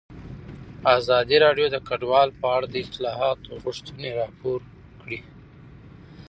ازادي راډیو د کډوال په اړه د اصلاحاتو غوښتنې راپور کړې.